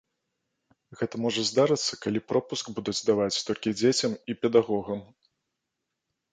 Гэта можа здарыцца, калі пропуск будуць даваць толькі дзецям і педагогам.